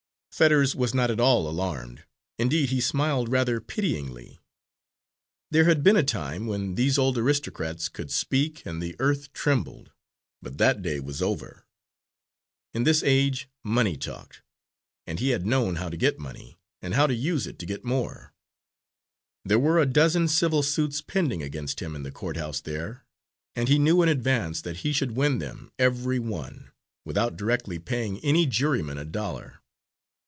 Fetters was not at all alarmed, indeed he smiled rather pityingly. There had been a time when these old aristocrats could speak, and the earth trembled, but that day was over. In this age money talked, and he had known how to get money, and how to use it to get more. There were a dozen civil suits pending against him in the court house there, and he knew in advance that he should win them every one, without directly paying any juryman a dollar.